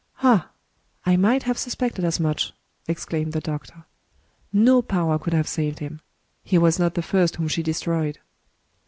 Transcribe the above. " Ah ! I might have suspected as much !" ex claimed the doctor. ..." No power could have saved him. He was not the first whom she destroyed."